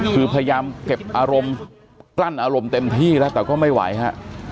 คือพยายามเก็บอารมณ์กลั้นอารมณ์เต็มที่แล้วแต่ก็ไม่ไหวฮะ